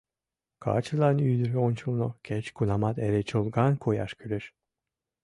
Качылан ӱдыр ончылно кеч-кунамат эре чолган кояш кӱлеш.